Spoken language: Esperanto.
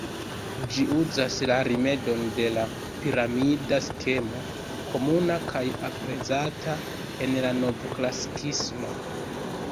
Ĝi uzas la rimedon de la piramida skemo, komuna kaj aprezata en la Novklasikismo.